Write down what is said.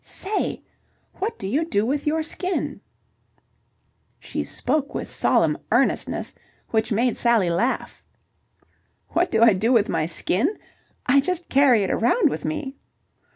"Say, what do you do with your skin?" She spoke with solemn earnestness which made Sally laugh. "What do I do with my skin? I just carry it around with me."